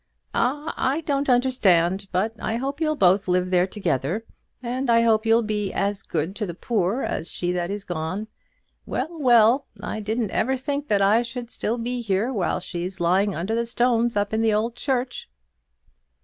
"Ah; I don't understand; but I hope you'll both live there together, and I hope you'll be as good to the poor as she that is gone. Well, well; I didn't ever think that I should be still here, while she is lying under the stones up in the old church!"